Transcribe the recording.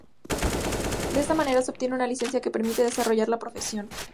De esta manera se obtiene una licencia que permite desarrollar la profesión.